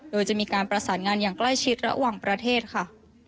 โดยจะมีการประสานงานอย่างใกล้ชิดระหว่างประเทศค่ะ